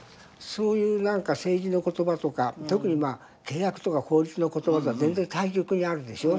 そういう政治の言葉とか特に契約とか法律の言葉とは全然対極にあるでしょ